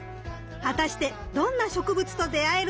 果たしてどんな植物と出会えるか？